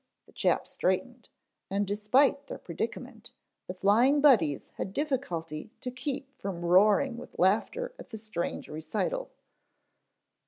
The chap straightened, and despite their predicament, the Flying Buddies had difficulty to keep from roaring with laughter at the strange recital.